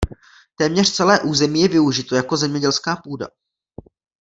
Téměř celé území je využito jako zemědělská půda.